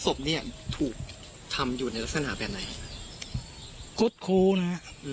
ศพเนี้ยถูกทำอยู่ในลักษณะแบบไหนคุดคู้นะฮะอืม